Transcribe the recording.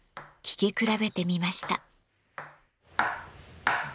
聞き比べてみました。